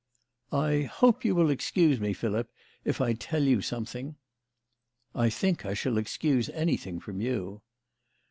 "I hope you will excuse me, Philip, if I tell you some thing." " I think I shall excuse anything from you."